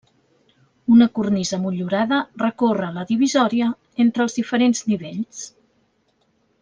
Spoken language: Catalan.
Una cornisa motllurada recorre la divisòria entre els diferents nivells.